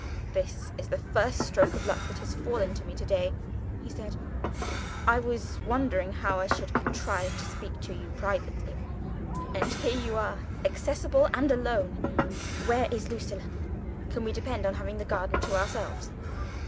"This is the first stroke of luck that has fallen to me to day," he said. "I was wondering how I should contrive to speak to you privately. And here you are accessible and alone. Where is Lucilla? Can we depend on having the garden to ourselves?"